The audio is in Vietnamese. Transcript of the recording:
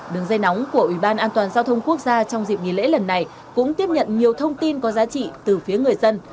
đường dây nóng của ủy ban an toàn giao thông quốc gia trong dịp nghỉ lễ lần này cũng tiếp nhận nhiều thông tin có giá trị từ phía người dân